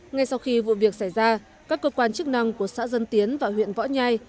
ngay sau khi vụ việc xảy ra các cơ quan chức năng của xã dân tiến và huyện võ nhai